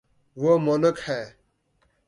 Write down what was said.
وہ مونک ہے